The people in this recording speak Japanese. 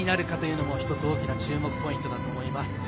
大きな注目ポイントだと思います。